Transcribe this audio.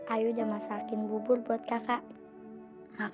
ayu berangkat sekolah dulu ya kak